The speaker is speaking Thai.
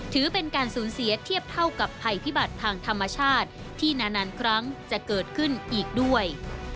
ถือเป็นการสูญเสียเทียบเท่ากับภัยพิบัติทางธรรมชาติที่นานครั้งจะเกิดขึ้นอีกด้วย